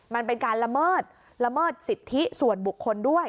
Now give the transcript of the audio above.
มันเป็นการละเมิดละเมิดสิทธิส่วนบุคคลด้วย